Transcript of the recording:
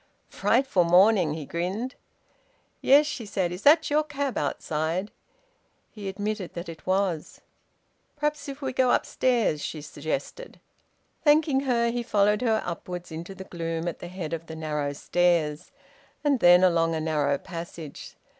"Frightful morning!" he grinned. "Yes," she said. "Is that your cab outside?" He admitted that it was. "Perhaps if we go upstairs," she suggested. Thanking her, he followed her upwards into the gloom at the head of the narrow stairs, and then along a narrow passage.